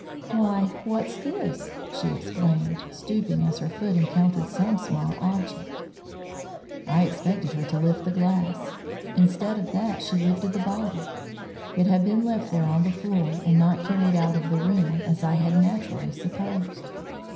"Why, what's this?" she exclaimed, stooping as her foot encountered some small object. I expected her to lift the glass. Instead of that she lifted the bottle. It had been left there on the floor and not carried out of the room, as I had naturally supposed.